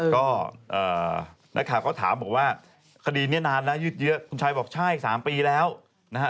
ก็นักข่าวก็ถามบอกว่าคดีนี้นานแล้วยืดเยอะคุณชายบอกใช่๓ปีแล้วนะฮะ